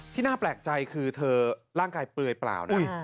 น่าแปลกใจคือเธอร่างกายเปลือยเปล่านะ